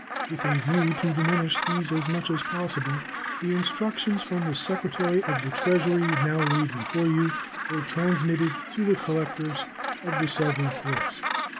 With a view to diminish these as much as possible, the instructions from the Secretary of the Treasury now laid before you were transmitted to the collectors of the several ports.